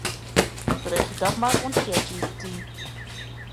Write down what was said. Freegje dat mar oan Chatgpt.